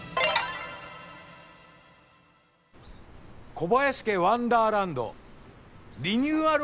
小林家ワンダーランドリニューアル